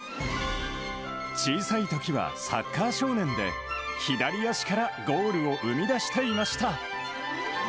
小さいときはサッカー少年で、左足からゴールを生み出していました。